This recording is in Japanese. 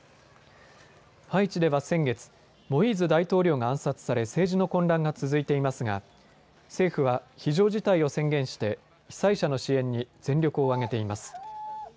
ハイチでは先月、モイーズ大統領が暗殺され政治の混乱が続いていますが政府は非常事態を宣言して被災者の支援に全力を挙げています。